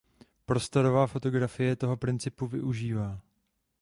Prostorová fotografie tohoto principu využívá.